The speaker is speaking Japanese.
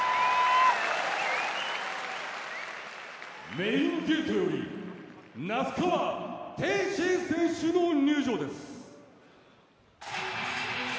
メインゲートより那須川天心選手の入場です。